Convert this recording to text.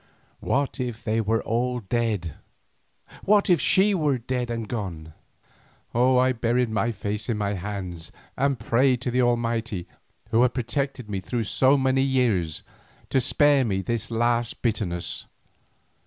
"What if they were all dead, what if SHE were dead and gone?" I buried my face in my hands and prayed to the Almighty who had protected me through so many years, to spare me this last bitterness.